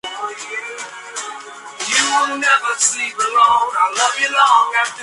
Según la familia, desde la infancia ella soñaba con ser modelo.